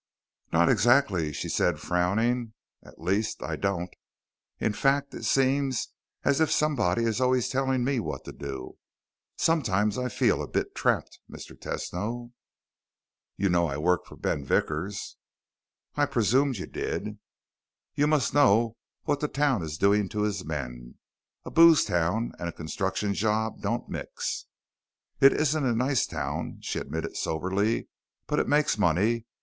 "Not exactly," she said, frowning. "At least, I don't. In fact, it seems as if somebody is always telling me what to do. Sometimes I feel a bit trapped, Mr. Tesno." "You know I work for Ben Vickers?" "I presumed you did." "You must know what the town is doing to his men. A booze town and a construction job don't mix." "It isn't a nice town," she admitted soberly. "But it makes money.